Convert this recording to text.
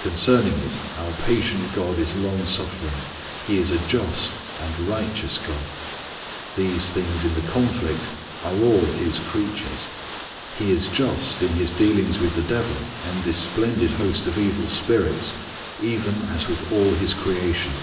Concerning it our patient God is long suffering. He is a just and righteous God. These beings in the conflict are all His creatures. He is just in His dealings with the devil and this splendid host of evil spirits even as with all His creation.